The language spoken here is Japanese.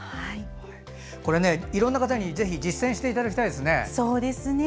いろんな方にぜひ実践していただきたいです。